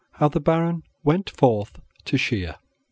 How the Baron went Forth to Shear.